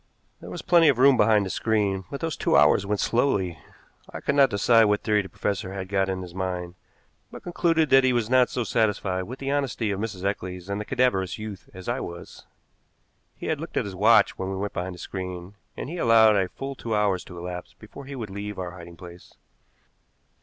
There was plenty of room behind the screen, but those two hours went slowly. I could not decide what theory the professor had got in his mind, but concluded that he was not so satisfied with the honesty of Mrs. Eccles and the cadaverous youth as I was. He had looked at his watch when we went behind the screen, and he allowed a full two hours to elapse before he would leave our hiding place.